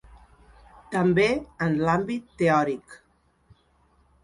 També en l'àmbit teòric.